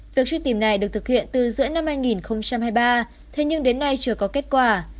việc truy tìm này được thực hiện từ giữa năm hai nghìn hai mươi ba thế nhưng đến nay chưa có kết quả